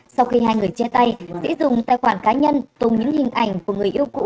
sau khi hai người chia tay dễ dùng tài khoản cá nhân tùng những hình ảnh của người yêu cũ